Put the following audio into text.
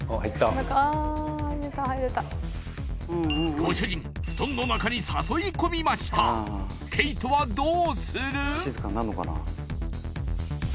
ご主人布団の中に誘い込みましたケイトはどうする？